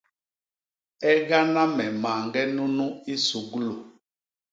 Égana me mañge nunu i suglu.